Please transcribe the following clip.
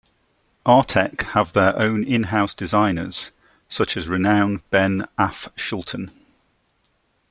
Artek have their own in-house designers, such as renown Ben af Schulten.